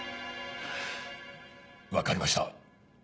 分かりました。